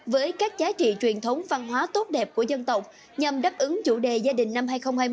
với các giá trị truyền thống văn hóa tốt đẹp của dân tộc nhằm đáp ứng chủ đề gia đình năm hai nghìn hai mươi